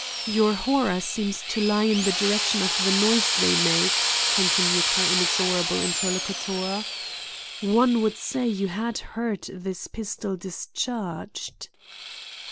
"Your horror seems to lie in the direction of the noise they make," continued her inexorable interlocutor. "One would say you had heard this pistol discharged."